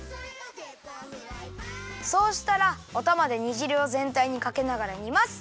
そうしたらおたまで煮じるをぜんたいにかけながら煮ます。